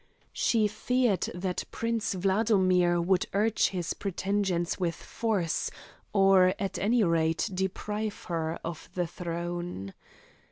She feared that Prince Wladomir would urge his pretensions with force, or at any rate deprive her of the throne.